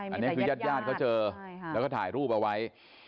อันนี้คือญาติญาติเขาเจอแล้วก็ถ่ายรูปเอาไว้